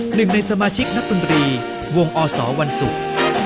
หนึ่งในสมาชิกนักดนตรีวงอสวันศุกร์